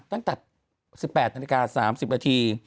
ตั้งแต่๑๘นาฬิกา๓๐นาที